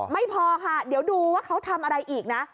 ไม่พอค่ะเดี๋ยวดูว่าเขาทำอะไรอีกนะ